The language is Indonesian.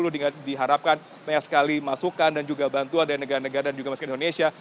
dengan diharapkan banyak sekali masukan dan juga bantuan dari negara negara dan juga masyarakat indonesia